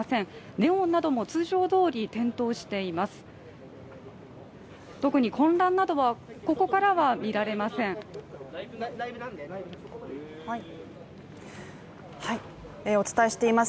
ネオンなども通常どおり点灯しています。